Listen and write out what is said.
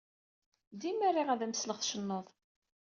Dima riɣ ad am-sleɣ tcennud.